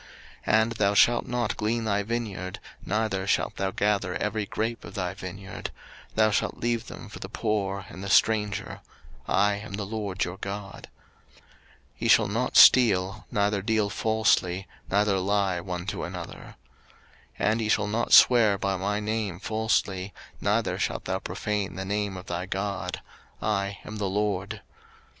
03:019:010 And thou shalt not glean thy vineyard, neither shalt thou gather every grape of thy vineyard; thou shalt leave them for the poor and stranger: I am the LORD your God. 03:019:011 Ye shall not steal, neither deal falsely, neither lie one to another. 03:019:012 And ye shall not swear by my name falsely, neither shalt thou profane the name of thy God: I am the LORD.